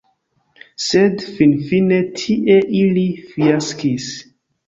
Sed finfine tie ili fiaskis.